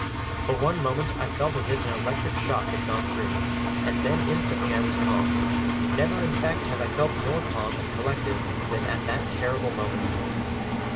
For one moment I felt as if an electric shock had gone through me, and then instantly I was calm never, in fact, have I felt more calm and collected than at that terrible moment.